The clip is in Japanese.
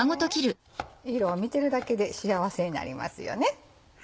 色を見てるだけで幸せになりますよね。